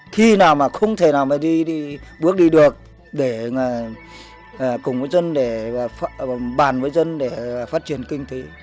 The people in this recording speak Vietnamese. khi nào mà không thể nào mà đi bước đi được để cùng với dân để bàn với dân để phát triển kinh tế